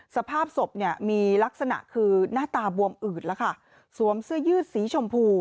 สภาพศพเนี่ยมีลักษณะคือหน้าตาบวมอืดแล้วค่ะสวมเสื้อยืดสีชมพู